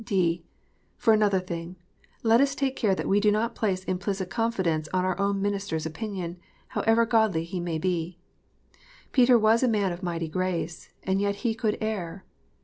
(d) For another thing, let us take care that we do not place implicit confidence on our own minister s opinion, however godly he may be, Peter was a man of mighty grace, and yet he could err.